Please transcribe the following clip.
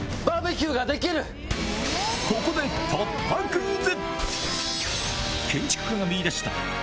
ここで突破クイズ！